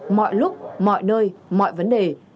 mọi lúc mọi nơi mọi vấn đề